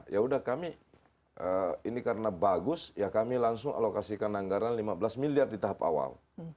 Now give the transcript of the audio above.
ya udah kami ini karena bagus ya kami langsung alokasikan anggaran lima belas miliar di tahap awal